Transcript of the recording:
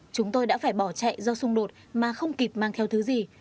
chúng tôi đã phải bỏ chạy do xung đột mà không kịp mang theo thứ gì